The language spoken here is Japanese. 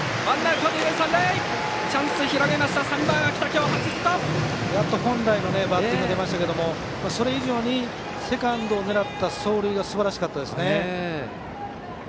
やっと本来のバッティングが出ましたがそれ以上にセカンドを狙った走塁がすばらしかったですね。